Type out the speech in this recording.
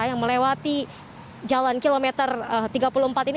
yang melewati jalan kilometer tiga puluh empat ini